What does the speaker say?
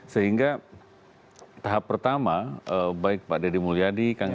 sehingga tahap pertama baik pak deddy mulyadi